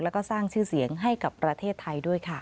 แล้วก็สร้างชื่อเสียงให้กับประเทศไทยด้วยค่ะ